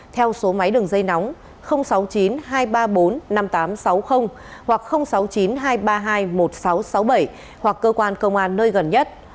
theo số máy đường dây nóng sáu mươi chín hai trăm ba mươi bốn năm nghìn tám trăm sáu mươi hoặc sáu mươi chín hai trăm ba mươi hai một nghìn sáu trăm sáu mươi bảy hoặc cơ quan công an nơi gần nhất